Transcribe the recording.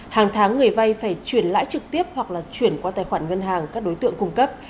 hàng tháng người vay phải chuyển lãi trực tiếp hoặc là chuyển qua tài khoản ngân hàng các đối tượng cung cấp